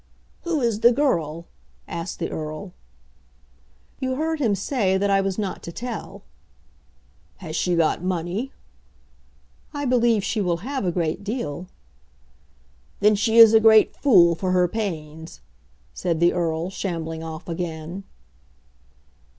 "Who is the girl?" asked the Earl. "You heard him say that I was not to tell." "Has she got money?" "I believe she will have a great deal." "Then she is a great fool for her pains," said the Earl, shambling off again.